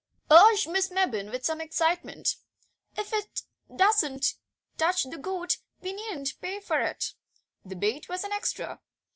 urged Miss Mebbin with some excitement; "if he doesn't touch the goat we needn't pay for it." (The bait was an extra.)